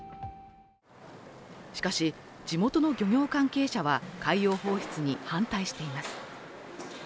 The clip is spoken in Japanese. しかし、地元の漁業関係者は海洋放出に反対しています。